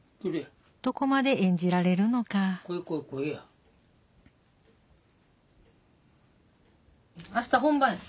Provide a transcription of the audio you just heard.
どこまで演じられるのか明日本番や。